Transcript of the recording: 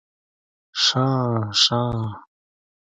شه شه